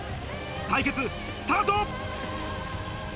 対決スタート！